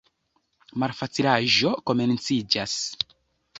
Malfacilaĵo komenciĝas.